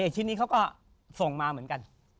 ชิ้นนี้เขาก็ส่งมาเหมือนกัน